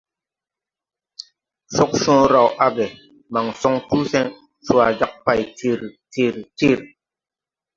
Cogcõõre raw age, man soŋ tu sen, cwa jag pay tir tir tir.